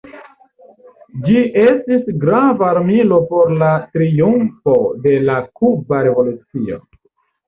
Ĝi estis grava armilo por la triumfo de la Kuba Revolucio.